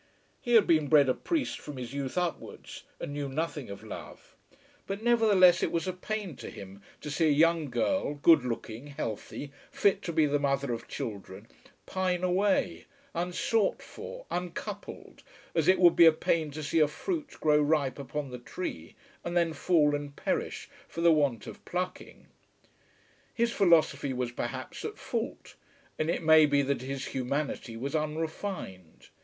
He had been bred a priest from his youth upwards, and knew nothing of love; but nevertheless it was a pain to him to see a young girl, good looking, healthy, fit to be the mother of children, pine away, unsought for, uncoupled, as it would be a pain to see a fruit grow ripe upon the tree, and then fall and perish for the want of plucking. His philosophy was perhaps at fault, and it may be that his humanity was unrefined.